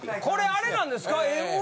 これあれなんですか？